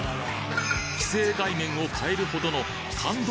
既成概念を変えるほどの感動